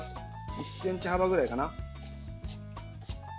１ｃｍ幅くらいかな。